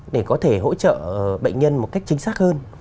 để có thể hỗ trợ bệnh nhân một cách chính xác hơn